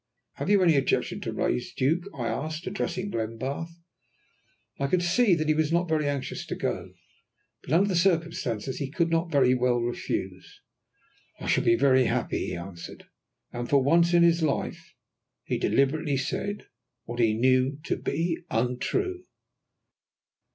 "Have you any objection to raise, Duke?" I asked, addressing Glenbarth. I could see that he was not very anxious to go, but under the circumstances he could not very well refuse. "I shall be very happy," he answered. And for once in his life he deliberately said what he knew to be untrue.